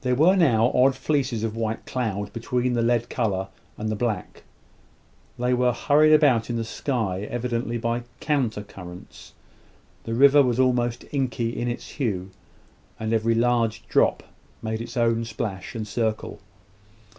There were now odd fleeces of white cloud between the lead colour and the black. They were hurried about in the sky, evidently by counter currents. The river was almost inky in its hue, and every large drop made its own splash and circle.